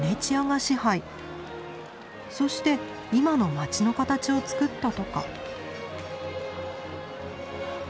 そして今の街の形をつくったとか。